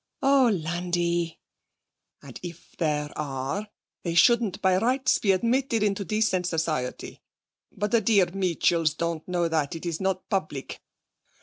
'Oh, Landi!' 'And if there are, they shouldn't by rights be admitted into decent society. But the dear Meetchels don't know that; it's not public.